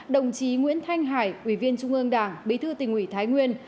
đồng chí nguyễn thanh hải ủy viên trung ương đảng bí thư tỉnh ủy thái nguyên